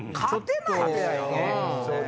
勝てないね。